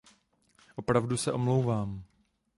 Opravdu se omlouvám.